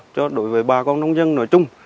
cho đối với bà con nông dân nói chung